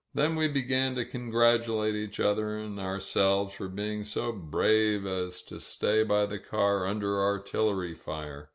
Then we began to congratulate each other and ourselves for being so brave as to stay by the car under artillery fire.